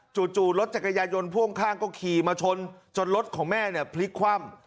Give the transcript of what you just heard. จู่รถจักรยายนพ่วงข้างก็ขี่มาชนจนรถของแม่เนี่ยพลิกคว่ำ